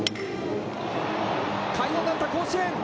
快音鳴った甲子園。